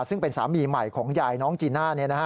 ซึ่งเป็นสามีใหม่ของยายน้องจีน่า